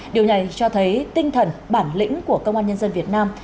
điều này cho thấy tinh thần bản lĩnh của công an nhân dân việt nam